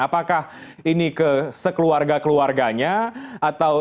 apakah ini ke sekeluarga keluarganya atau si pejabatnya saja